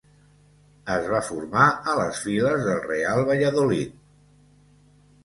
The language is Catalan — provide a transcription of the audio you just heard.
Es va formar a les files del Real Valladolid.